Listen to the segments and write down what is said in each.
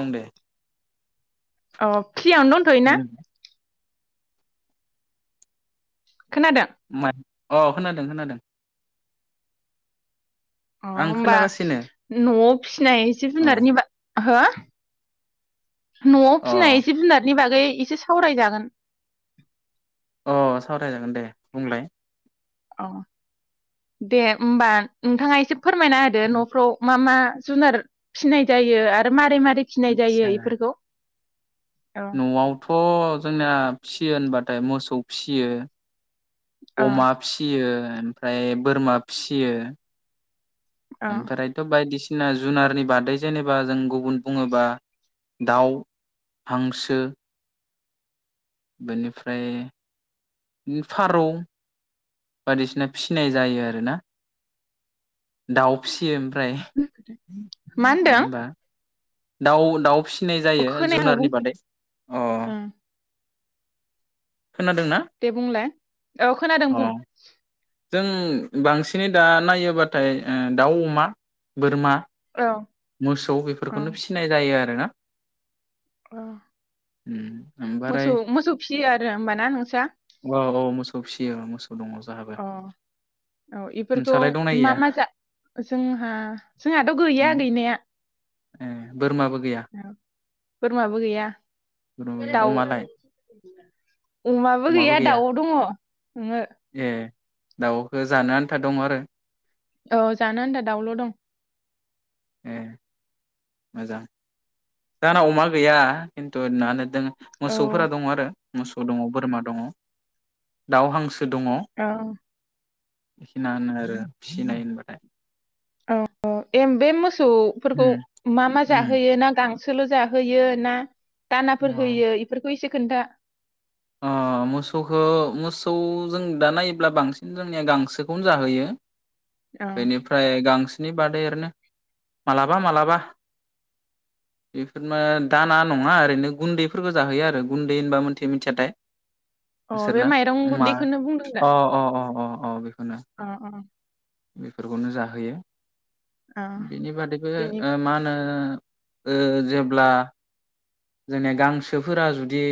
ओं दे। अ फ्रियावनो दंथयोना खोनादों मा अ खोनादों खोनादों। अ आं होमबा खोनागासिनो न'आव फिनाय एसे औ जुनारनिबा- हो न'आव अ फिनाय एसे जुनारनि बागै एसे सावरायजागोन अ सावरायजागोन दे बुंलाय। दे होमबा नोंथाङा एसे फोरमायना होदो न'फ्राव मा मा? जुनार फिनाय जायो आरो मारै मारै फिनाय आतसा जायो बेफोरखौ न'आवथ' जोंना फिसियो होनबाथाय मोसौ फिसियो औ अमा फियो ओमफ्राय बोरमा फियो औ ओमफ्रायथ' बायदिसिना बायदिसिना जुनारनि बादै जेनेबा जों गुबुन बुङोबा दाउ हांसो बेनिफ्राय फारौ बायदिसिना फिसिनाय जायो आरोना दाउ फिसियो ओमफ्राय मा नङा होनदों होमबा? दाउ दाउ फि नाय जायो खोनायाखै जुनारनि बुंफिन बादै अ ओं खोनादोंना दे बुंलाय औ खोनादों बुं जों बांसिनै दा नायोब्लाथाय ओ दाउ, अमा, बोरमा औ मोसौ औ बेफोरखौनो फिसिनाय जायो आरो । [unintelligible] अ उम ओमफ्राय मोसौ मोसौ फिसियो आरो होमबाना नोंस्रा? मोसौ सौ फियो औ मोसौ दङ जोंहाबो अ औ इफोरखौ नोंसालाय दंना गैया मा मा जा जोंहा जोंहाथ' गैया गैनाया ए बोरमाबो गैया औ बोरमाबो गैया बोरमा गैया दाउ अमालाय अमाबो गैया दाउ दङ ओंहो ए दाउखौ जानो आन्था दङ आरो औ जानो आनथा दाउल' दं ए मोजां जाहाना अमा गैया खिन्थु ना दों । जों औ मोसौफोरा दङ आरो । मोसौ दङ बोरमा दङ दाउ हांसो दङ औ बेखिनानो आरो फिसिनाय होनबाथाय । औ औ एम बे मोसौफोरखौ मा मा जाहोयो ना गांस सोल' जाहोयो ना? दानाफोर होयो इफोरखौ एसे खोनथा अ मोसौखौ मोसौ जों दा नायोब्ला बांसिन जोंनिया गांसोखौनो जाहोयो अ बेनिफ्राय गांस बिनि बादै ओरैनो मालाबा मालाबा बेफोरनो दा ना नङा ओरैनो गुन्दैफोरखौ जाहैयो आरो गुन्दै होनबा मोन [unintelligible] अ बे माइरं मा गुन्दैखौनो बुंदों अ दा अ अ अ अ बे अ अ बेफोरखौनो जाहोयो अ बेनि बादैबो बेनि ओ मा होनो ओ जेब्ला जोंनि गांसोफोरा जुदि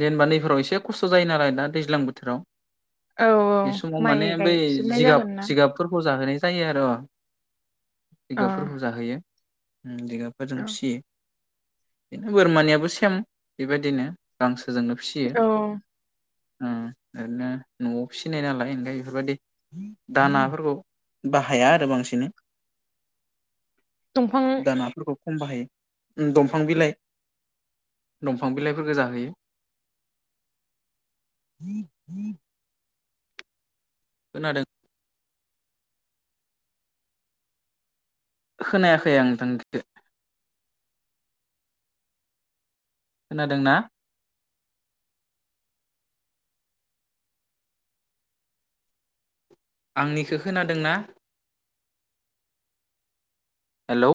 जेनेबा नैफोराव एसे खस्थ' जायो नालाय दा दैज्लां बोथोराव औ बे समाव माने माइ बै गायजोबनाय जिगाब जागोन ना जिगाबफोरखौ जाहोनाय जायो आरो अ' अ जिगाबफोरखौ जाहोयो जिगाबफोरजों औ फिसियो बिनो बोरमानियाबो सेम बेबायदिनो गांसो गोसोजोंनो फिसियो औ ओरैनो न'आव फिसिनाय नालाय ओंखाय बेफोरबायदि दानाफोरखौ बाहाया आरो बांसिनै दंफां दानाफोरखौ खम बाहायो दंफां बिलाइ दंफां बिलाइफोरखौ जाहोयो [inaudible] खोनादों खोनायाखै आं नोंथांनिखौ खोनादोंना? आंनिखौ खोनादोंना हेलौ